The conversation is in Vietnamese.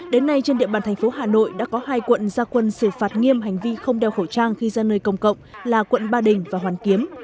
đến nay trên địa bàn thành phố hà nội đã có hai quận gia quân xử phạt nghiêm hành vi không đeo khẩu trang khi ra nơi công cộng là quận ba đình và hoàn kiếm